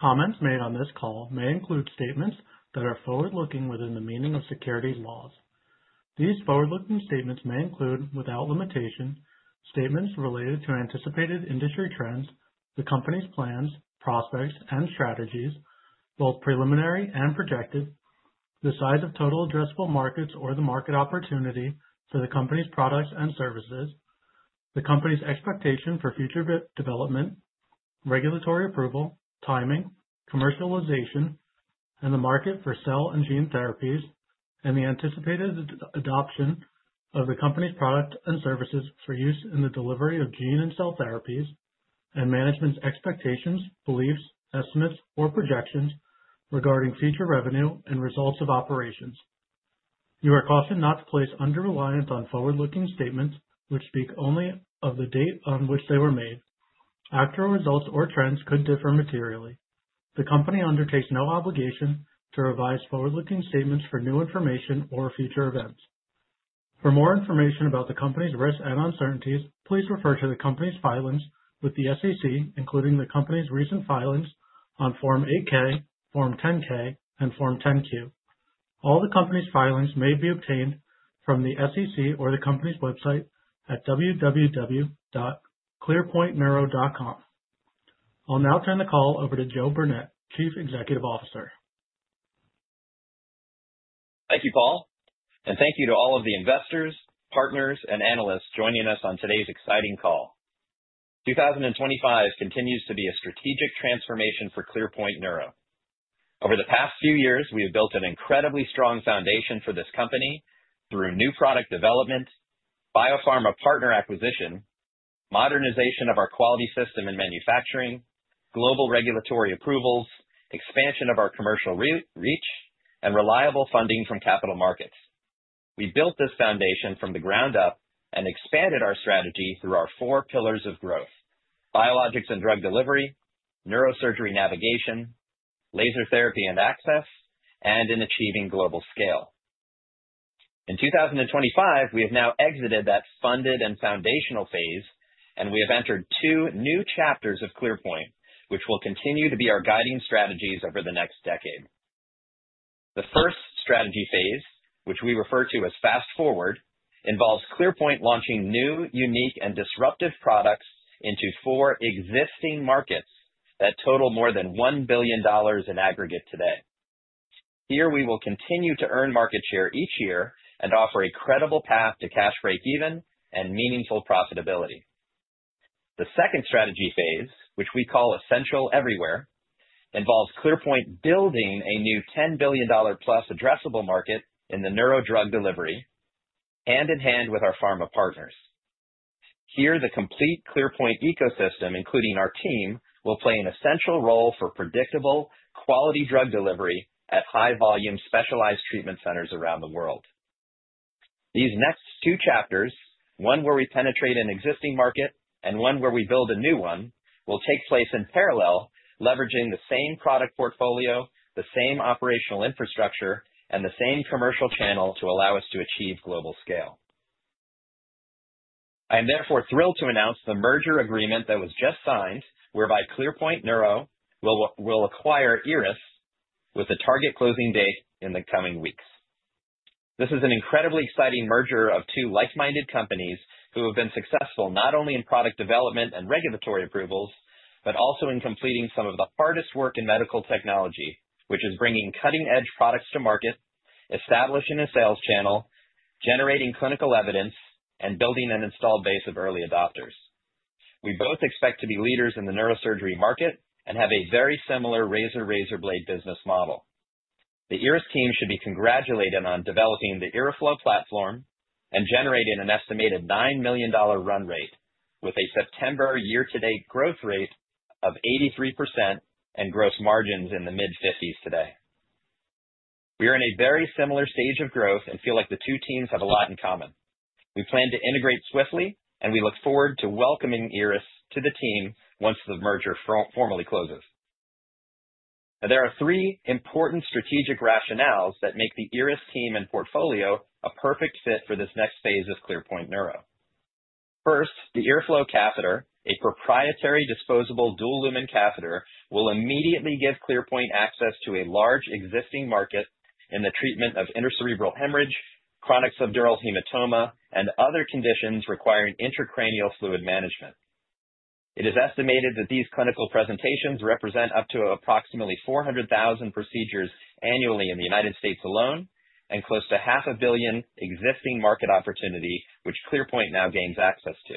Comments made on this call may include statements that are forward-looking within the meaning of securities laws. These forward-looking statements may include, without limitation, statements related to anticipated industry trends, the company's plans, prospects, and strategies, both preliminary and projected, the size of total addressable markets or the market opportunity for the company's products and services, the company's expectation for future development, regulatory approval, timing, commercialization, and the market for cell and gene therapies, and the anticipated adoption of the company's products and services for use in the delivery of gene and cell therapies, and management's expectations, beliefs, estimates, or projections regarding future revenue and results of operations. You are cautioned not to place undue reliance on forward-looking statements which speak only of the date on which they were made. Actual results or trends could differ materially. The company undertakes no obligation to revise forward-looking statements for new information or future events. For more information about the company's risks and uncertainties, please refer to the company's filings with the SEC, including the company's recent filings on Form 8-K, Form 10-K, and Form 10-Q. All the company's filings may be obtained from the SEC or the company's website at www.clearpointneuro.com. I'll now turn the call over to Joseph Burnett, Chief Executive Officer. Thank you, Paul. Thank you to all of the investors, partners, and analysts joining us on today's exciting call. 2025 continues to be a strategic transformation for ClearPoint Neuro. Over the past few years, we have built an incredibly strong foundation for this company through new product development, biopharma partner acquisition, modernization of our quality system and manufacturing, global regulatory approvals, expansion of our commercial reach, and reliable funding from capital markets. We built this foundation from the ground up and expanded our strategy through our four pillars of growth: biologics and drug delivery, neurosurgery navigation, laser therapy and access, and in achieving global scale. In 2025, we have now exited that funded and foundational phase, and we have entered two new chapters of ClearPoint, which will continue to be our guiding strategies over the next decade. The first strategy phase, which we refer to as fast forward, involves ClearPoint launching new, unique, and disruptive products into four existing markets that total more than $1 billion in aggregate today. Here, we will continue to earn market share each year and offer a credible path to cash break-even and meaningful profitability. The second strategy phase, which we call essential everywhere, involves ClearPoint building a new $10 billion-plus addressable market in the neurodrug delivery and in hand with our pharma partners. Here, the complete ClearPoint ecosystem, including our team, will play an essential role for predictable quality drug delivery at high-volume specialized treatment centers around the world. These next two chapters, one where we penetrate an existing market and one where we build a new one, will take place in parallel, leveraging the same product portfolio, the same operational infrastructure, and the same commercial channel to allow us to achieve global scale. I am therefore thrilled to announce the merger agreement that was just signed, whereby ClearPoint Neuro will acquire IRRAS with a target closing date in the coming weeks. This is an incredibly exciting merger of two like-minded companies who have been successful not only in product development and regulatory approvals, but also in completing some of the hardest work in medical technology, which is bringing cutting-edge products to market, establishing a sales channel, generating clinical evidence, and building an installed base of early adopters. We both expect to be leaders in the neurosurgery market and have a very similar razor-razor blade business model. The IRRAS team should be congratulated on developing the IRRAflow platform and generating an estimated $9 million run rate, with a September year-to-date growth rate of 83% and gross margins in the mid-50% today. We are in a very similar stage of growth and feel like the two teams have a lot in common. We plan to integrate swiftly, and we look forward to welcoming IRRAS to the team once the merger formally closes. There are three important strategic rationales that make the IRRAS team and portfolio a perfect fit for this next phase of ClearPoint Neuro. First, the IRRAflow catheter, a proprietary disposable dual-lumen catheter, will immediately give ClearPoint access to a large existing market in the treatment of intracerebral hemorrhage, chronic subdural hematoma, and other conditions requiring intracranial fluid management. It is estimated that these clinical presentations represent up to approximately 400,000 procedures annually in the United States alone and close to half a billion existing market opportunity, which ClearPoint now gains access to.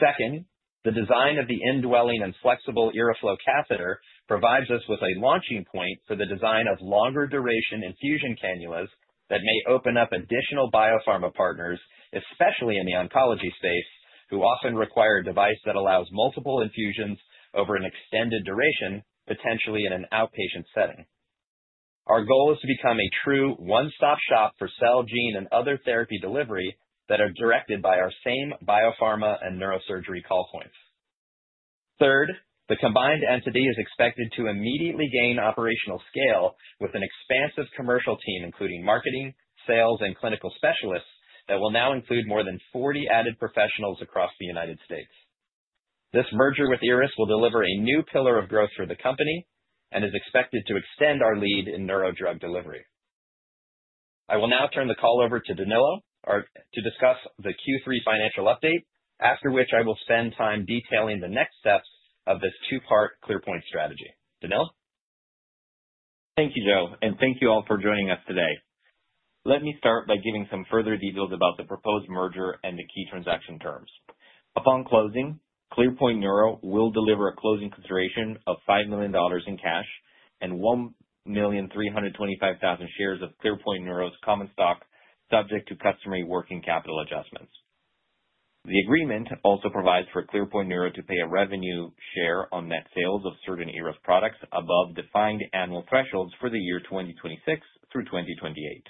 Second, the design of the indwelling and flexible IRRAflow catheter provides us with a launching point for the design of longer-duration infusion cannulas that may open up additional biopharma partners, especially in the oncology space, who often require a device that allows multiple infusions over an extended duration, potentially in an outpatient setting. Our goal is to become a true one-stop shop for cell, gene, and other therapy delivery that are directed by our same biopharma and neurosurgery call points. Third, the combined entity is expected to immediately gain operational scale with an expansive commercial team, including marketing, sales, and clinical specialists that will now include more than 40 added professionals across the United States. This merger with IRRAS will deliver a new pillar of growth for the company and is expected to extend our lead in neurodrug delivery. I will now turn the call over to Danilo to discuss the Q3 financial update, after which I will spend time detailing the next steps of this two-part ClearPoint strategy. Danilo? Thank you, Joe, and thank you all for joining us today. Let me start by giving some further details about the proposed merger and the key transaction terms. Upon closing, ClearPoint Neuro will deliver a closing consideration of $5 million in cash and 1,325,000 shares of ClearPoint Neuro's common stock, subject to customary working capital adjustments. The agreement also provides for ClearPoint Neuro to pay a revenue share on net sales of certain IRRAS products above defined annual thresholds for the year 2026 through 2028.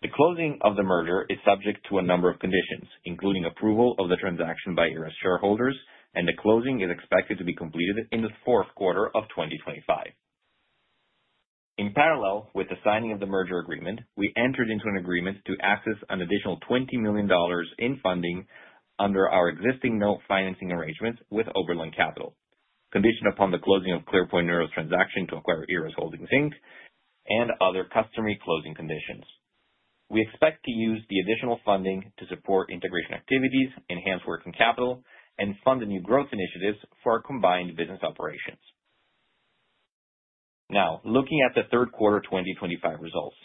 The closing of the merger is subject to a number of conditions, including approval of the transaction by IRRAS shareholders, and the closing is expected to be completed in the fourth quarter of 2025. In parallel with the signing of the merger agreement, we entered into an agreement to access an additional $20 million in funding under our existing note financing arrangements with Oberlin Capital, conditioned upon the closing of ClearPoint Neuro's transaction to acquire Iris Holdings and other customary closing conditions. We expect to use the additional funding to support integration activities, enhance working capital, and fund the new growth initiatives for our combined business operations. Now, looking at the third quarter 2025 results,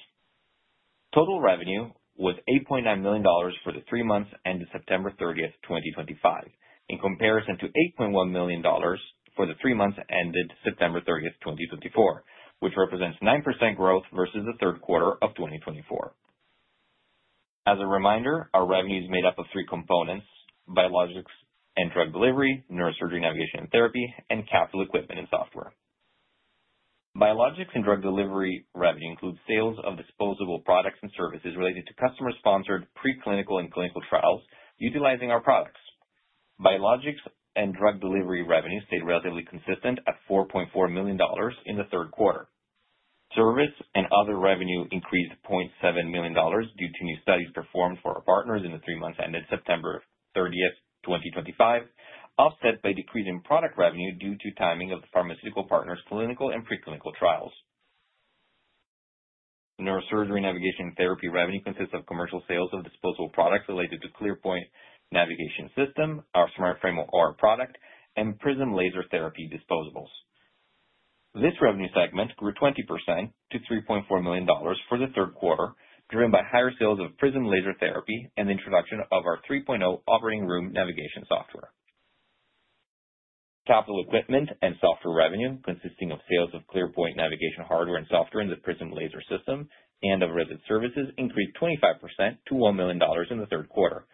total revenue was $8.9 million for the three months ended September 30, 2025, in comparison to $8.1 million for the three months ended September 30, 2024, which represents 9% growth versus the third quarter of 2024. As a reminder, our revenues are made up of three components: biologics and drug delivery, neurosurgery navigation and therapy, and capital equipment and software. Biologics and drug delivery revenue includes sales of disposable products and services related to customer-sponsored preclinical and clinical trials utilizing our products. Biologics and drug delivery revenue stayed relatively consistent at $4.4 million in the third quarter. Service and other revenue increased $0.7 million due to new studies performed for our partners in the three months ended September 30, 2025, offset by decreasing product revenue due to timing of the pharmaceutical partners' clinical and preclinical trials. Neurosurgery navigation and therapy revenue consists of commercial sales of disposable products related to ClearPoint Navigation System, our SmartFrame OR product, and Prism Laser Therapy disposables. This revenue segment grew 20% to $3.4 million for the third quarter, driven by higher sales of Prism Laser Therapy and the introduction of our 3.0 operating room navigation software. Capital equipment and software revenue, consisting of sales of ClearPoint Navigation hardware and software in the Prism Laser System and of rivet services, increased 25% to $1 million in the third quarter,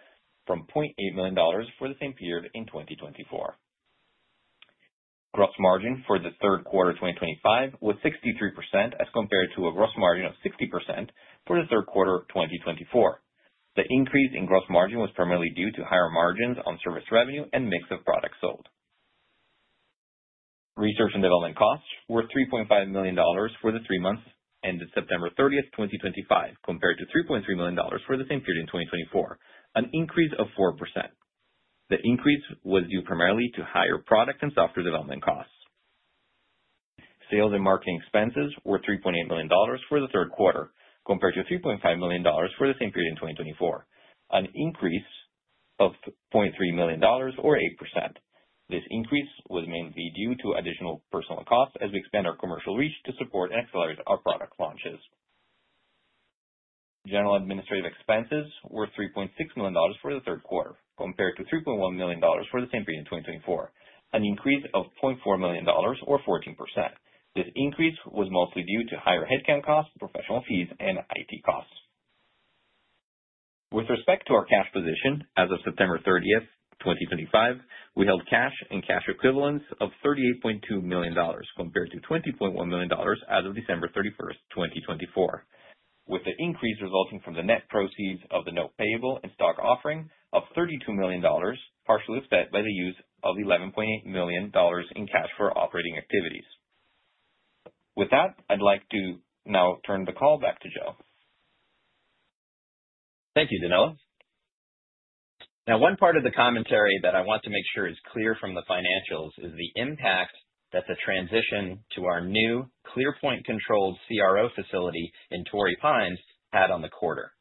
from $0.8 million for the same period in 2024. Gross margin for the third quarter 2025 was 63% as compared to a gross margin of 60% for the third quarter 2024. The increase in gross margin was primarily due to higher margins on service revenue and mix of products sold. Research and development costs were $3.5 million for the three months ended September 30, 2025, compared to $3.3 million for the same period in 2024, an increase of 4%. The increase was due primarily to higher product and software development costs. Sales and marketing expenses were $3.8 million for the third quarter, compared to $3.5 million for the same period in 2024, an increase of $0.3 million, or 8%. This increase was mainly due to additional personnel costs as we expand our commercial reach to support and accelerate our product launches. General administrative expenses were $3.6 million for the third quarter, compared to $3.1 million for the same period in 2024, an increase of $0.4 million, or 14%. This increase was mostly due to higher headcount costs, professional fees, and IT costs. With respect to our cash position, as of September 30, 2025, we held cash and cash equivalents of $38.2 million compared to $20.1 million as of December 31, 2024, with the increase resulting from the net proceeds of the note payable and stock offering of $32 million, partially offset by the use of $11.8 million in cash for operating activities. With that, I'd like to now turn the call back to Joe. Thank you, Danilo. Now, one part of the commentary that I want to make sure is clear from the financials is the impact that the transition to our new ClearPoint-controlled CRO facility in Torrey Pines had on the quarter.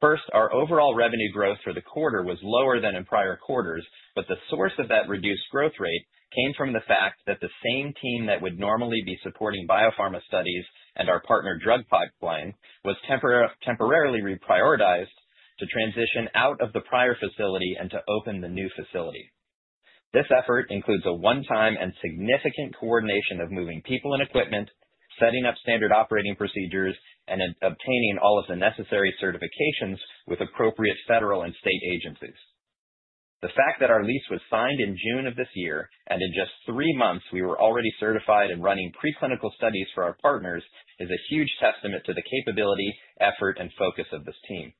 First, our overall revenue growth for the quarter was lower than in prior quarters, but the source of that reduced growth rate came from the fact that the same team that would normally be supporting biopharma studies and our partner drug pipeline was temporarily reprioritized to transition out of the prior facility and to open the new facility. This effort includes a one-time and significant coordination of moving people and equipment, setting up standard operating procedures, and obtaining all of the necessary certifications with appropriate federal and state agencies. The fact that our lease was signed in June of this year and in just three months we were already certified in running preclinical studies for our partners is a huge testament to the capability, effort, and focus of this team.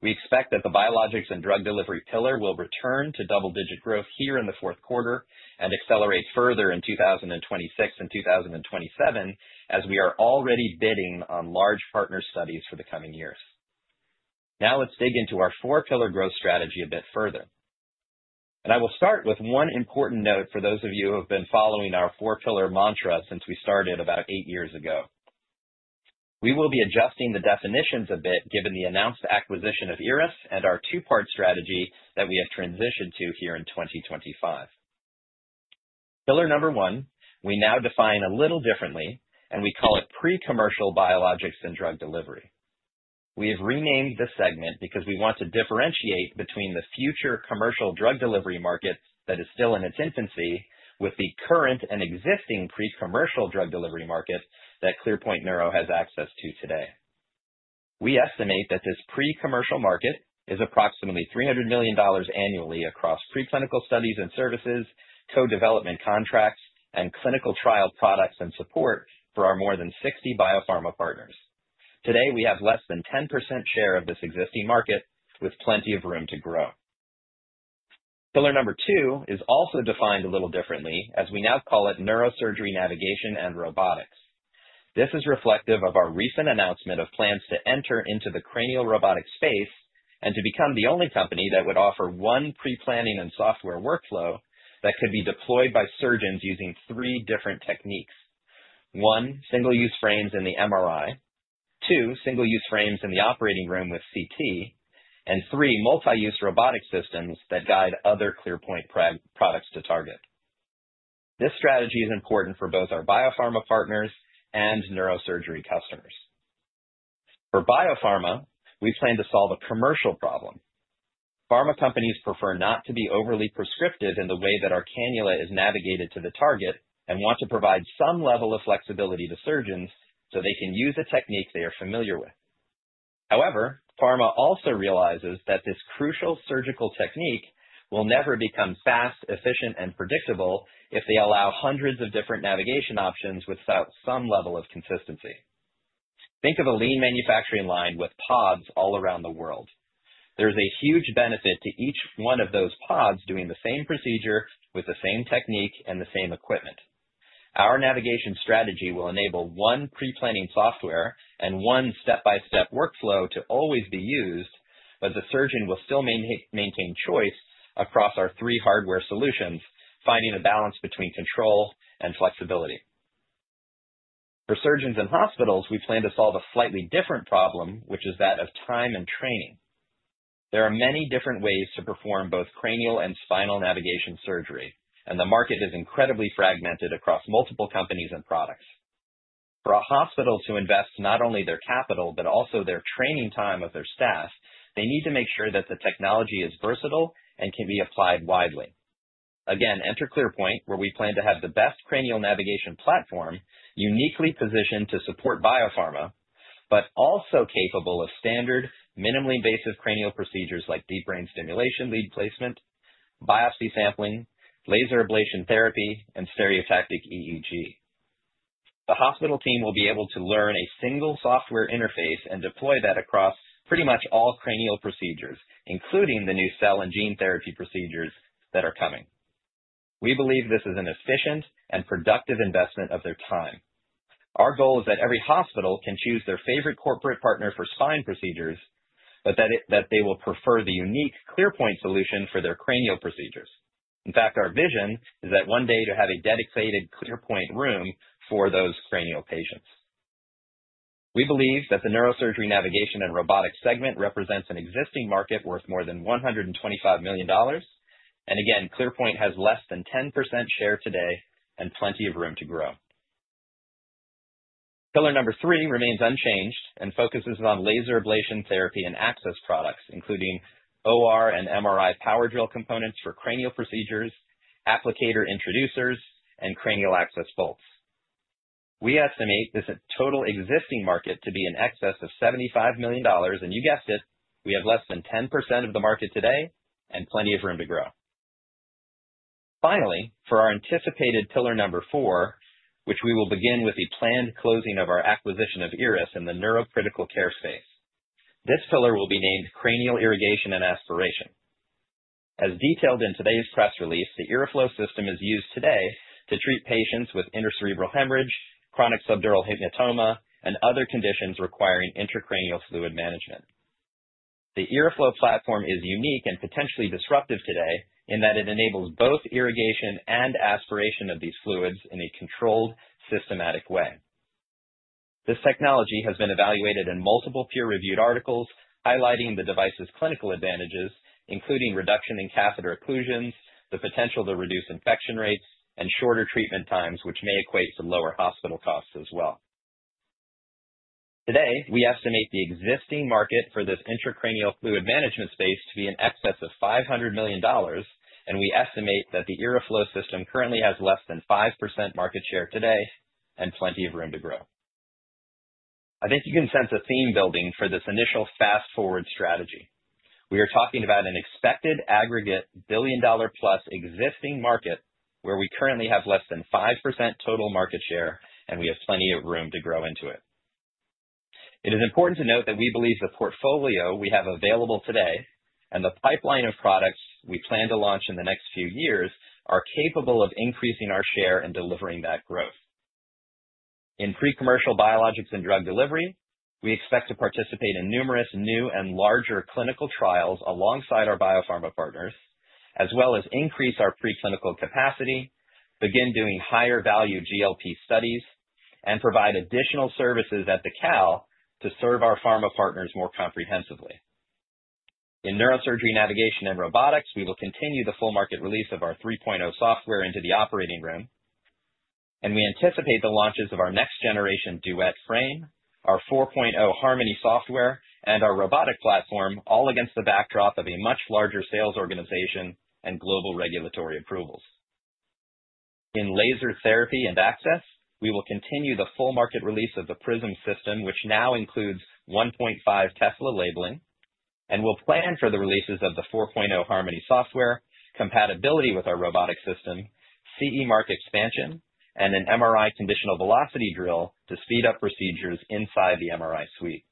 We expect that the Biologics and Drug Delivery pillar will return to double-digit growth here in the fourth quarter and accelerate further in 2026 and 2027, as we are already bidding on large partner studies for the coming years. Now, let's dig into our four-pillar growth strategy a bit further. I will start with one important note for those of you who have been following our four-pillar mantra since we started about eight years ago. We will be adjusting the definitions a bit given the announced acquisition of IRRAS and our two-part strategy that we have transitioned to here in 2025. Pillar number one, we now define a little differently, and we call it pre-commercial biologics and drug delivery. We have renamed this segment because we want to differentiate between the future commercial drug delivery market that is still in its infancy with the current and existing pre-commercial drug delivery market that ClearPoint Neuro has access to today. We estimate that this pre-commercial market is approximately $300 million annually across preclinical studies and services, co-development contracts, and clinical trial products and support for our more than 60 biopharma partners. Today, we have less than 10% share of this existing market, with plenty of room to grow. Pillar number two is also defined a little differently, as we now call it neurosurgery navigation and robotics. This is reflective of our recent announcement of plans to enter into the cranial robotic space and to become the only company that would offer one pre-planning and software workflow that could be deployed by surgeons using three different techniques: one, single-use frames in the MRI; two, single-use frames in the operating room with CT; and three, multi-use robotic systems that guide other ClearPoint products to target. This strategy is important for both our biopharma partners and neurosurgery customers. For biopharma, we plan to solve a commercial problem. Pharma companies prefer not to be overly prescriptive in the way that our cannula is navigated to the target and want to provide some level of flexibility to surgeons so they can use a technique they are familiar with. However, pharma also realizes that this crucial surgical technique will never become fast, efficient, and predictable if they allow hundreds of different navigation options without some level of consistency. Think of a lean manufacturing line with pods all around the world. There is a huge benefit to each one of those pods doing the same procedure with the same technique and the same equipment. Our navigation strategy will enable one pre-planning software and one step-by-step workflow to always be used, but the surgeon will still maintain choice across our three hardware solutions, finding a balance between control and flexibility. For surgeons and hospitals, we plan to solve a slightly different problem, which is that of time and training. There are many different ways to perform both cranial and spinal navigation surgery, and the market is incredibly fragmented across multiple companies and products. For a hospital to invest not only their capital but also their training time with their staff, they need to make sure that the technology is versatile and can be applied widely. Again, enter ClearPoint, where we plan to have the best cranial navigation platform, uniquely positioned to support biopharma, but also capable of standard, minimally invasive cranial procedures like deep brain stimulation, lead placement, biopsy sampling, laser ablation therapy, and stereotactic EEG. The hospital team will be able to learn a single software interface and deploy that across pretty much all cranial procedures, including the new cell and gene therapy procedures that are coming. We believe this is an efficient and productive investment of their time. Our goal is that every hospital can choose their favorite corporate partner for spine procedures, but that they will prefer the unique ClearPoint solution for their cranial procedures. In fact, our vision is that one day to have a dedicated ClearPoint room for those cranial patients. We believe that the neurosurgery navigation and robotics segment represents an existing market worth more than $125 million. ClearPoint has less than 10% share today and plenty of room to grow. Pillar number three remains unchanged and focuses on laser ablation therapy and access products, including OR and MRI power drill components for cranial procedures, applicator introducers, and cranial access bolts. We estimate this total existing market to be in excess of $75 million, and you guessed it, we have less than 10% of the market today and plenty of room to grow. Finally, for our anticipated pillar number four, which we will begin with the planned closing of our acquisition of IRRAS in the neurocritical care space. This pillar will be named cranial irrigation and aspiration. As detailed in today's press release, the IRRAflow system is used today to treat patients with intracerebral hemorrhage, chronic subdural hematoma, and other conditions requiring intracranial fluid management. The IRRAflow platform is unique and potentially disruptive today in that it enables both irrigation and aspiration of these fluids in a controlled, systematic way. This technology has been evaluated in multiple peer-reviewed articles highlighting the device's clinical advantages, including reduction in catheter occlusions, the potential to reduce infection rates, and shorter treatment times, which may equate to lower hospital costs as well. Today, we estimate the existing market for this intracranial fluid management space to be in excess of $500 million, and we estimate that the IRRAflow system currently has less than 5% market share today and plenty of room to grow. I think you can sense a theme building for this initial fast-forward strategy. We are talking about an expected aggregate billion-dollar-plus existing market where we currently have less than 5% total market share, and we have plenty of room to grow into it. It is important to note that we believe the portfolio we have available today and the pipeline of products we plan to launch in the next few years are capable of increasing our share and delivering that growth. In pre-commercial biologics and drug delivery, we expect to participate in numerous new and larger clinical trials alongside our biopharma partners, as well as increase our preclinical capacity, begin doing higher-value GLP studies, and provide additional services at the CAL to serve our pharma partners more comprehensively. In neurosurgery navigation and robotics, we will continue the full market release of our 3.0 software into the operating room, and we anticipate the launches of our next-generation Duet Frame, our 4.0 Harmony software, and our robotic platform, all against the backdrop of a much larger sales organization and global regulatory approvals. In laser therapy and access, we will continue the full market release of the Prism system, which now includes 1.5 Tesla labeling, and we'll plan for the releases of the 4.0 Harmony software, compatibility with our robotic system, CE Mark expansion, and an MRI Conditional power drill to speed up procedures inside the MRI suite.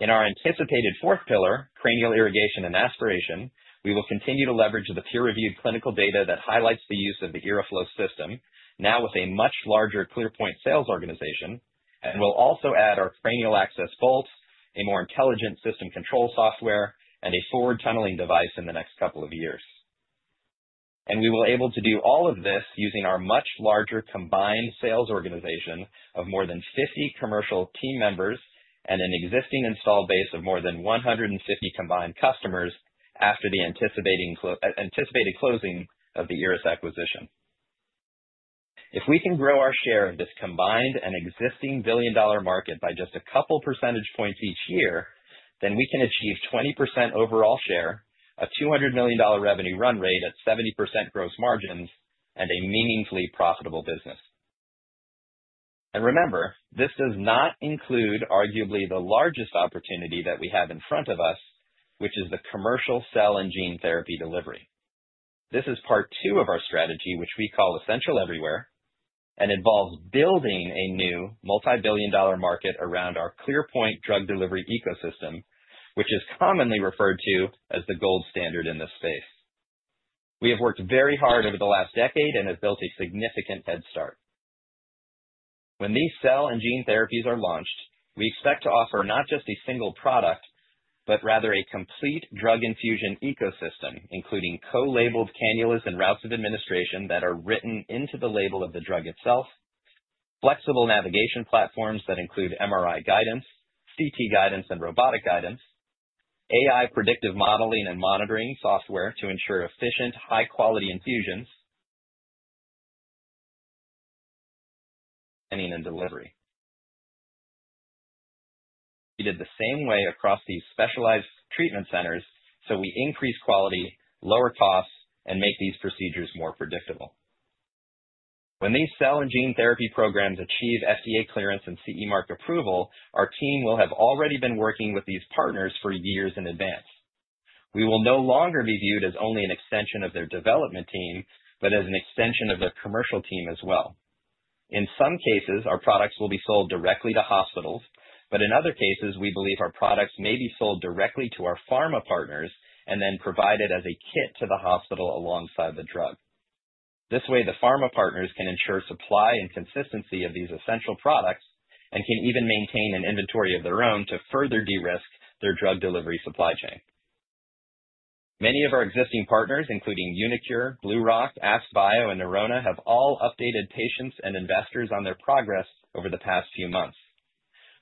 In our anticipated fourth pillar, cranial irrigation and aspiration, we will continue to leverage the peer-reviewed clinical data that highlights the use of the IRRAflow system, now with a much larger ClearPoint sales organization, and we'll also add our cranial access bolts, a more intelligent system control software, and a forward tunneling device in the next couple of years. We will be able to do all of this using our much larger combined sales organization of more than 50 commercial team members and an existing install base of more than 150 combined customers after the anticipated closing of the IRRAS acquisition. If we can grow our share of this combined and existing billion-dollar market by just a couple percentage points each year, we can achieve 20% overall share, a $200 million revenue run rate at 70% gross margins, and a meaningfully profitable business. Remember, this does not include arguably the largest opportunity that we have in front of us, which is the commercial cell and gene therapy delivery. This is part two of our strategy, which we call Essential Everywhere, and involves building a new multi-billion-dollar market around our ClearPoint drug delivery ecosystem, which is commonly referred to as the gold standard in this space. We have worked very hard over the last decade and have built a significant head start. When these cell and gene therapies are launched, we expect to offer not just a single product, but rather a complete drug infusion ecosystem, including co-labeled cannulas and routes of administration that are written into the label of the drug itself, flexible navigation platforms that include MRI guidance, CT guidance, and robotic guidance, AI predictive modeling and monitoring software to ensure efficient, high-quality infusions, and delivery. We did the same way across these specialized treatment centers, so we increase quality, lower costs, and make these procedures more predictable. When these cell and gene therapy programs achieve FDA clearance and CE Mark approval, our team will have already been working with these partners for years in advance. We will no longer be viewed as only an extension of their development team, but as an extension of their commercial team as well. In some cases, our products will be sold directly to hospitals, but in other cases, we believe our products may be sold directly to our pharma partners and then provided as a kit to the hospital alongside the drug. This way, the pharma partners can ensure supply and consistency of these essential products and can even maintain an inventory of their own to further de-risk their drug delivery supply chain. Many of our existing partners, including uniQure, BlueRock, AskBio, and Neurona, have all updated patients and investors on their progress over the past few months.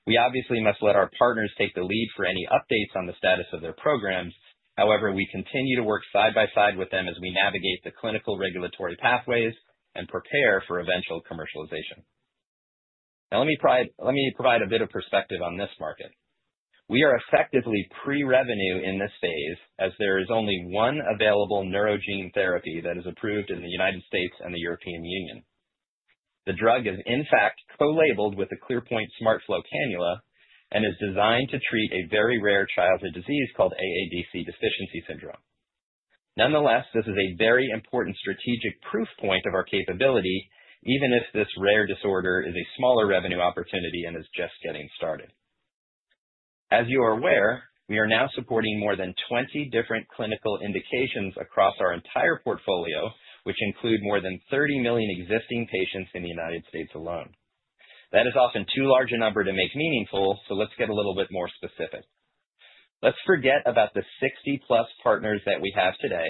We obviously must let our partners take the lead for any updates on the status of their programs. However, we continue to work side by side with them as we navigate the clinical regulatory pathways and prepare for eventual commercialization. Now, let me provide a bit of perspective on this market. We are effectively pre-revenue in this phase as there is only one available neuro gene therapy that is approved in the United States and the European Union. The drug is, in fact, co-labeled with the ClearPoint SmartFlow cannula and is designed to treat a very rare childhood disease called AADC deficiency syndrome. Nonetheless, this is a very important strategic proof point of our capability, even if this rare disorder is a smaller revenue opportunity and is just getting started. As you are aware, we are now supporting more than 20 different clinical indications across our entire portfolio, which include more than 30 million existing patients in the United States alone. That is often too large a number to make meaningful, so let's get a little bit more specific. Let's forget about the 60-plus partners that we have today,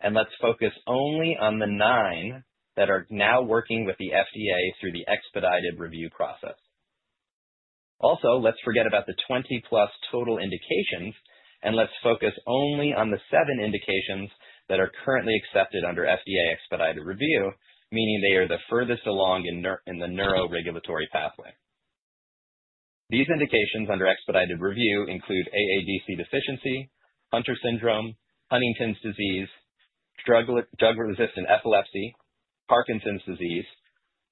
and let's focus only on the nine that are now working with the FDA through the expedited review process. Also, let's forget about the 20-plus total indications, and let's focus only on the seven indications that are currently accepted under FDA expedited review, meaning they are the furthest along in the neuroregulatory pathway. These indications under expedited review include AADC deficiency, Hunter syndrome, Huntington's disease, drug-resistant epilepsy, Parkinson's disease,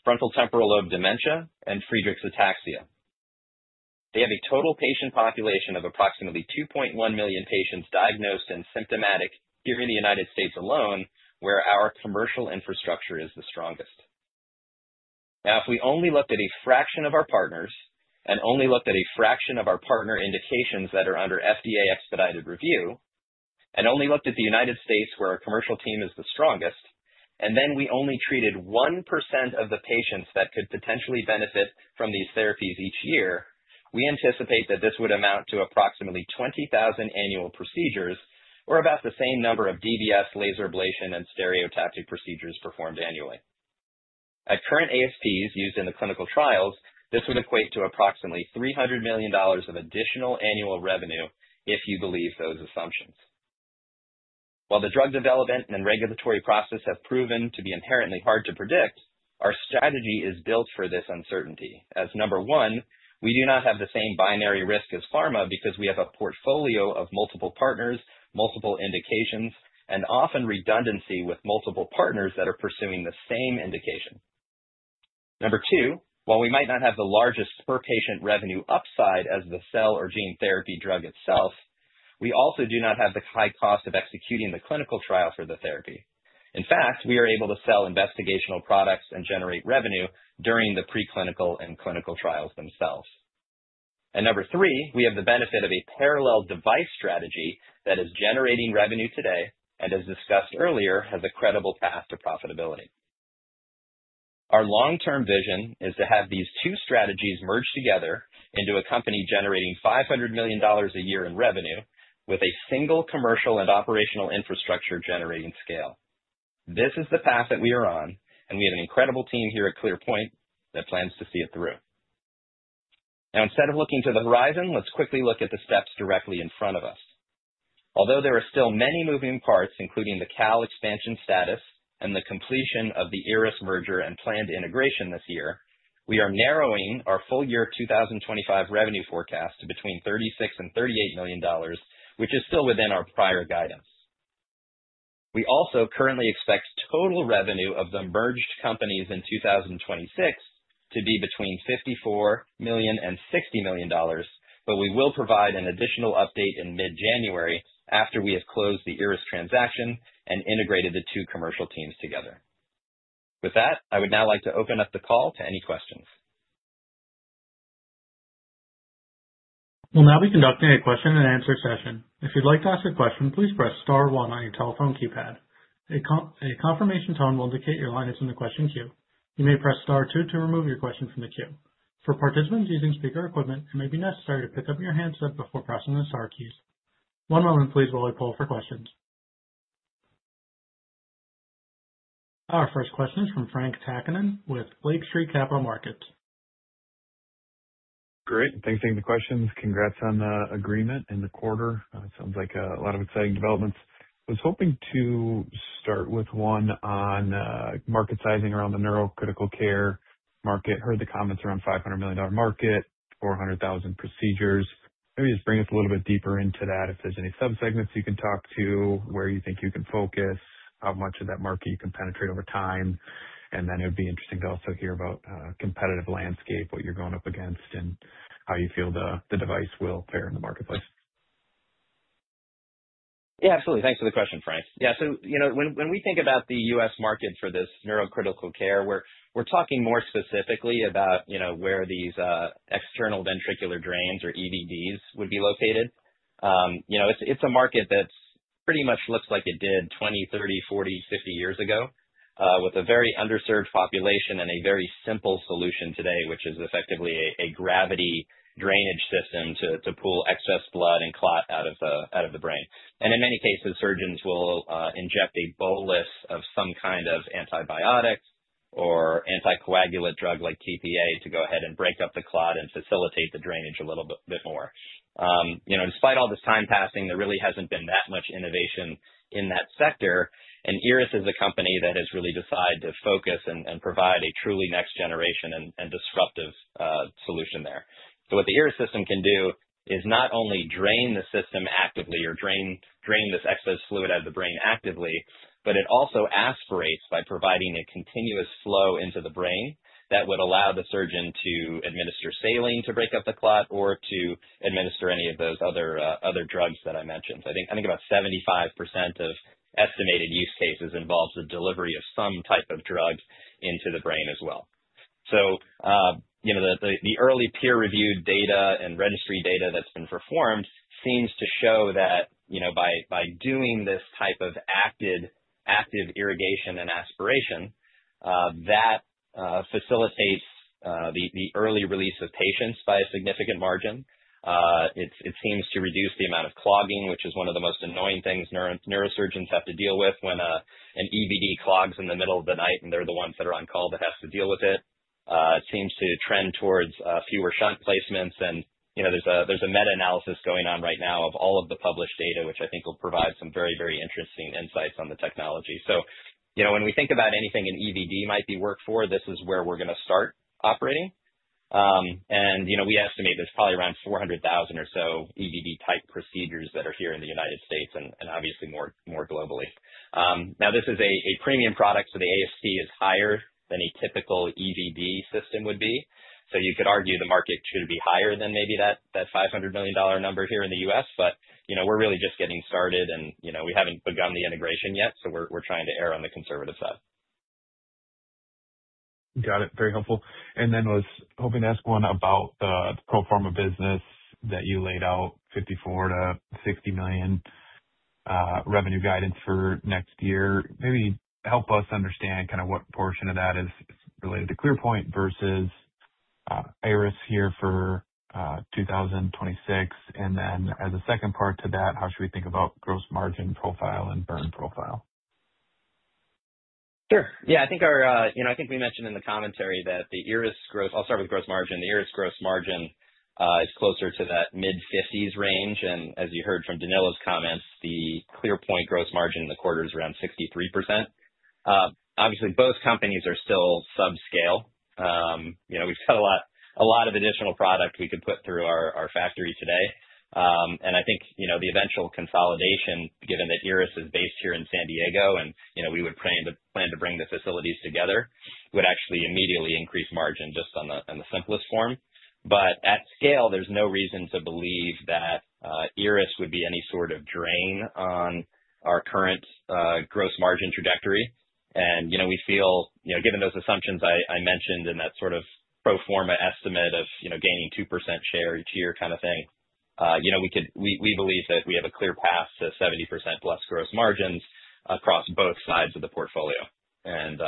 frontotemporal lobe dementia, and Friedreich's ataxia. They have a total patient population of approximately 2.1 million patients diagnosed and symptomatic here in the United States alone, where our commercial infrastructure is the strongest. Now, if we only looked at a fraction of our partners and only looked at a fraction of our partner indications that are under FDA expedited review, and only looked at the United States, where our commercial team is the strongest, and then we only treated 1% of the patients that could potentially benefit from these therapies each year, we anticipate that this would amount to approximately 20,000 annual procedures or about the same number of DBS, laser ablation, and stereotactic procedures performed annually. At current ASPs used in the clinical trials, this would equate to approximately $300 million of additional annual revenue if you believe those assumptions. While the drug development and regulatory process have proven to be inherently hard to predict, our strategy is built for this uncertainty. As number one, we do not have the same binary risk as pharma because we have a portfolio of multiple partners, multiple indications, and often redundancy with multiple partners that are pursuing the same indication. Number two, while we might not have the largest per-patient revenue upside as the cell or gene therapy drug itself, we also do not have the high cost of executing the clinical trial for the therapy. In fact, we are able to sell investigational products and generate revenue during the preclinical and clinical trials themselves. Number three, we have the benefit of a parallel device strategy that is generating revenue today and, as discussed earlier, has a credible path to profitability. Our long-term vision is to have these two strategies merged together into a company generating $500 million a year in revenue with a single commercial and operational infrastructure generating scale. This is the path that we are on, and we have an incredible team here at ClearPoint that plans to see it through. Now, instead of looking to the horizon, let's quickly look at the steps directly in front of us. Although there are still many moving parts, including the CAL expansion status and the completion of the IRRAS merger and planned integration this year, we are narrowing our full year 2025 revenue forecast to between $36 million and $38 million, which is still within our prior guidance. We also currently expect total revenue of the merged companies in 2026 to be between $54 million and $60 million, but we will provide an additional update in mid-January after we have closed the IRRAS transaction and integrated the two commercial teams together. With that, I would now like to open up the call to any questions. We'll now be conducting a question-and-answer session. If you'd like to ask a question, please press star one on your telephone keypad. A confirmation tone will indicate your line is in the question queue. You may press star two to remove your question from the queue. For participants using speaker equipment, it may be necessary to pick up your handset before pressing the star keys. One moment, please, while we pull for questions. Our first question is from Frank Takkinen with Lake Street Capital Markets. Great. Thanks for taking the questions. Congrats on the agreement and the quarter. Sounds like a lot of exciting developments. I was hoping to start with one on market sizing around the neurocritical care market. Heard the comments around $500 million market, 400,000 procedures. Maybe just bring us a little bit deeper into that. If there's any subsegments you can talk to, where you think you can focus, how much of that market you can penetrate over time. It would be interesting to also hear about competitive landscape, what you're going up against, and how you feel the device will fare in the marketplace. Yeah, absolutely. Thanks for the question, Frank. Yeah, so when we think about the U.S. market for this neurocritical care, we're talking more specifically about where these external ventricular drains or EVDs would be located. It's a market that pretty much looks like it did 20, 30, 40, 50 years ago, with a very underserved population and a very simple solution today, which is effectively a gravity drainage system to pull excess blood and clot out of the brain. In many cases, surgeons will inject a bolus of some kind of antibiotic or anticoagulant drug like TPA to go ahead and break up the clot and facilitate the drainage a little bit more. Despite all this time passing, there really hasn't been that much innovation in that sector. IRRAS is a company that has really decided to focus and provide a truly next-generation and disruptive solution there. What the IRRAflow system can do is not only drain the system actively or drain this excess fluid out of the brain actively, but it also aspirates by providing a continuous flow into the brain that would allow the surgeon to administer saline to break up the clot or to administer any of those other drugs that I mentioned. I think about 75% of estimated use cases involve the delivery of some type of drug into the brain as well. The early peer-reviewed data and registry data that has been performed seems to show that by doing this type of active irrigation and aspiration, that facilitates the early release of patients by a significant margin. It seems to reduce the amount of clogging, which is one of the most annoying things neurosurgeons have to deal with when an EVD clogs in the middle of the night and they're the ones that are on call that has to deal with it. It seems to trend towards fewer shunt placements. There is a meta-analysis going on right now of all of the published data, which I think will provide some very, very interesting insights on the technology. When we think about anything an EVD might be worked for, this is where we're going to start operating. We estimate there's probably around 400,000 or so EVD-type procedures that are here in the United States and obviously more globally. This is a premium product, so the ASP is higher than a typical EVD system would be. You could argue the market should be higher than maybe that $500 million number here in the U.S., but we're really just getting started and we haven't begun the integration yet, so we're trying to err on the conservative side. Got it. Very helpful. I was hoping to ask one about the pro forma business that you laid out, $50 million-$60 million revenue guidance for next year. Maybe help us understand kind of what portion of that is related to ClearPoint versus IRRAS here for 2026. As a second part to that, how should we think about gross margin profile and burn profile? Sure. Yeah, I think we mentioned in the commentary that the IRRAS gross—I'll start with gross margin. The IRRAS gross margin is closer to that mid-50% range. As you heard from Danilo's comments, the ClearPoint gross margin in the quarter is around 63%. Obviously, both companies are still subscale. We've got a lot of additional product we could put through our factory today. I think the eventual consolidation, given that IRRAS is based here in San Diego and we would plan to bring the facilities together, would actually immediately increase margin just on the simplest form. At scale, there's no reason to believe that IRRAS would be any sort of drain on our current gross margin trajectory. We feel, given those assumptions I mentioned and that sort of pro forma estimate of gaining 2% share each year kind of thing, we believe that we have a clear path to 70% plus gross margins across both sides of the portfolio. The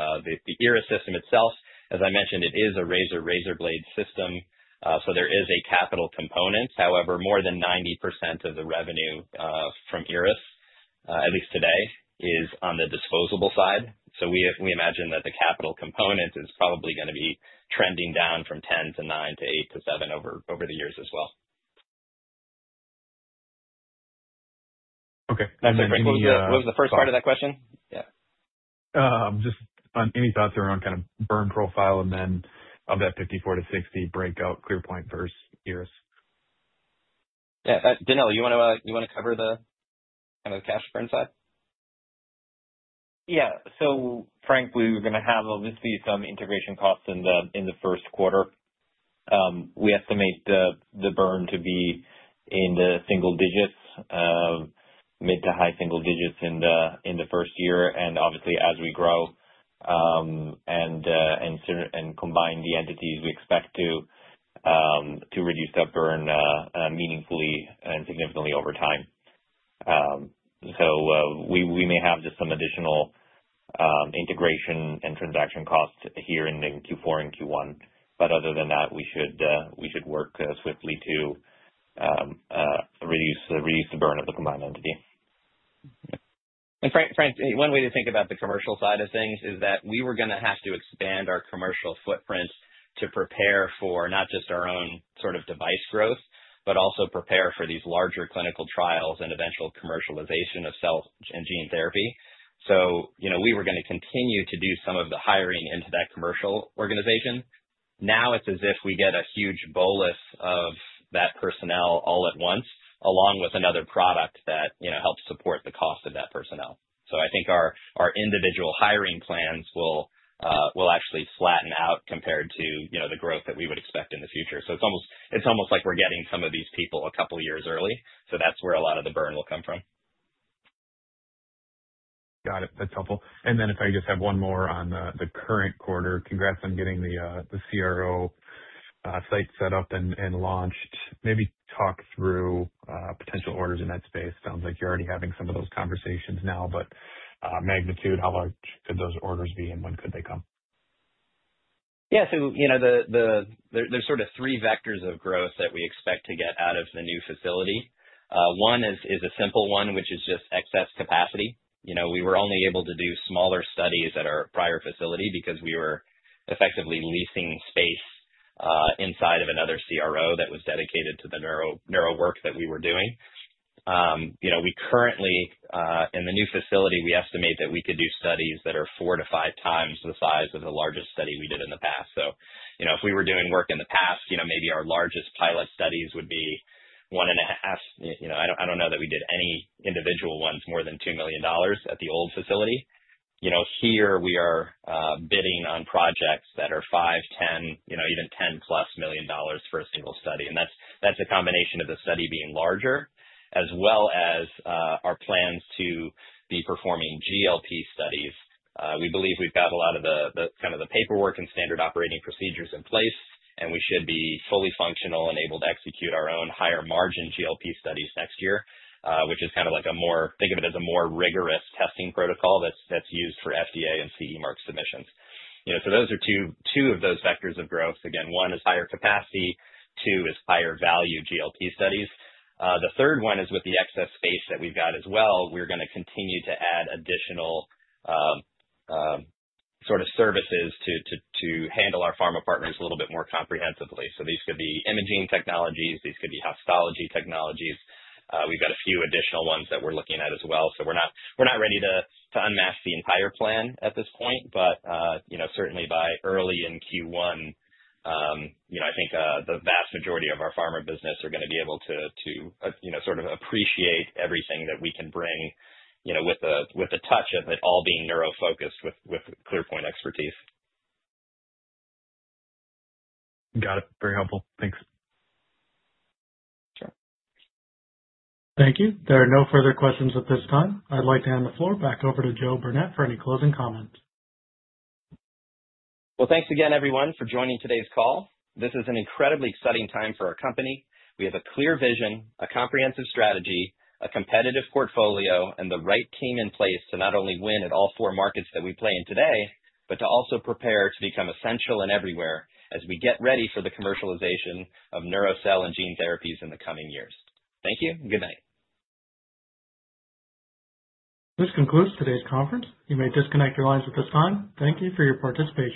IRRAflow system itself, as I mentioned, it is a razor-razor blade system, so there is a capital component. However, more than 90% of the revenue from IRRAflow, at least today, is on the disposable side. We imagine that the capital component is probably going to be trending down from 10-9-8-7 over the years as well. Okay. That's a great point. What was the first part of that question? Just on any thoughts around kind of burn profile and then of that $54 million-$60 million breakout ClearPoint versus IRRAS. Yeah. Danilo, you want to cover the kind of the cash burn side? Yeah. So, Frank, we were going to have, obviously, some integration costs in the first quarter. We estimate the burn to be in the single digits, mid to high single digits in the first year. Obviously, as we grow and combine the entities, we expect to reduce that burn meaningfully and significantly over time. We may have just some additional integration and transaction costs here in Q4 and Q1. Other than that, we should work swiftly to reduce the burn of the combined entity. Frank, one way to think about the commercial side of things is that we were going to have to expand our commercial footprint to prepare for not just our own sort of device growth, but also prepare for these larger clinical trials and eventual commercialization of cell and gene therapy. We were going to continue to do some of the hiring into that commercial organization. Now it's as if we get a huge bolus of that personnel all at once, along with another product that helps support the cost of that personnel. I think our individual hiring plans will actually flatten out compared to the growth that we would expect in the future. It's almost like we're getting some of these people a couple of years early. That's where a lot of the burn will come from. Got it. That's helpful. If I just have one more on the current quarter, congrats on getting the CRO site set up and launched. Maybe talk through potential orders in that space. Sounds like you're already having some of those conversations now, but magnitude, how large could those orders be and when could they come? Yeah. There are sort of three vectors of growth that we expect to get out of the new facility. One is a simple one, which is just excess capacity. We were only able to do smaller studies at our prior facility because we were effectively leasing space inside of another CRO that was dedicated to the neuro work that we were doing. We currently, in the new facility, estimate that we could do studies that are four to five times the size of the largest study we did in the past. If we were doing work in the past, maybe our largest pilot studies would be one and a half. I do not know that we did any individual ones more than $2 million at the old facility. Here, we are bidding on projects that are $5 million, $10 million, even $10 million-plus for a single study. That is a combination of the study being larger, as well as our plans to be performing GLP studies. We believe we have a lot of the paperwork and standard operating procedures in place, and we should be fully functional and able to execute our own higher margin GLP studies next year, which is kind of like a more—think of it as a more rigorous testing protocol that is used for FDA and CE Mark submissions. Those are two of those vectors of growth. Again, one is higher capacity, two is higher value GLP studies. The third one is with the excess space that we have as well, we are going to continue to add additional sort of services to handle our pharma partners a little bit more comprehensively. These could be imaging technologies. These could be histology technologies. We've got a few additional ones that we're looking at as well. We're not ready to unmask the entire plan at this point, but certainly by early in Q1, I think the vast majority of our pharma business are going to be able to sort of appreciate everything that we can bring with the touch of it all being neuro-focused with ClearPoint expertise. Got it. Very helpful. Thanks. Sure. Thank you. There are no further questions at this time. I'd like to hand the floor back over to Joseph Burnett for any closing comments. Thank you again, everyone, for joining today's call. This is an incredibly exciting time for our company. We have a clear vision, a comprehensive strategy, a competitive portfolio, and the right team in place to not only win at all four markets that we play in today, but to also prepare to become essential and everywhere as we get ready for the commercialization of neurocell and gene therapies in the coming years. Thank you. Good night. This concludes today's conference. You may disconnect your lines at this time. Thank you for your participation.